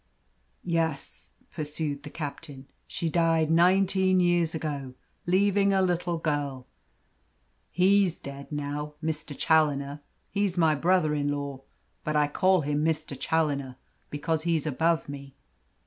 "Yes," pursued the captain, "she died nineteen years ago, leaving a little girl. He's dead now Mr. Challoner. He's my brother in law, but I call him Mr. Challoner, because he's above me."